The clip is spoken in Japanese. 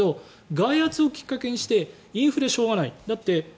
外圧をきっかけにしてインフレはしょうがない。